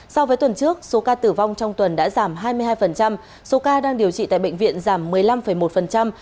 so với tuần trước số ca tử vong trong tuần đã giảm hai mươi hai số ca đang điều trị tại bệnh viện giảm một mươi năm một